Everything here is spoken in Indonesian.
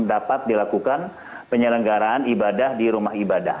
dapat dilakukan penyelenggaraan ibadah di rumah ibadah